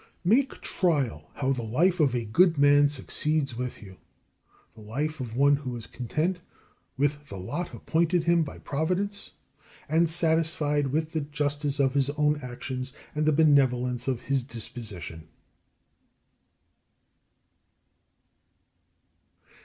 25. Make trial how the life of a good man succeeds with you, the life of one who is content with the lot appointed him by Providence, and satisfied with the justice of his own actions and the benevolence of his disposition.